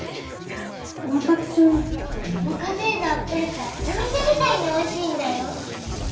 私も？もか姉のアップルパイお店みたいにおいしいんだよ。